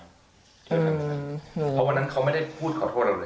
เพราะวันนั้นเขาไม่ได้พูดขอโทษอะไรใช่ไหม